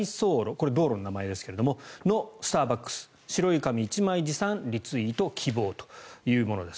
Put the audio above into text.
これは道路の名前ですがそこのスターバックス白い紙１枚持参リツイート希望というものです。